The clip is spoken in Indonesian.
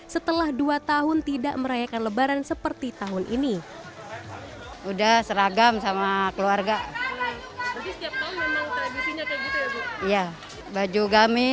setelah dua tahun tidak merayakan lebaran seperti tahun ini